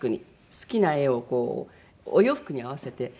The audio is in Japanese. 好きな絵をお洋服に合わせてできるように。